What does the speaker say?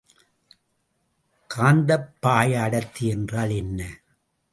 காந்தப்பாய அடர்த்தி என்றால் என்ன?